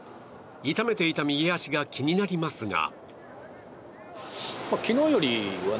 痛めていた右足が気になりますが。